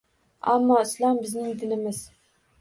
Ammo “Islom bizning dinimiz”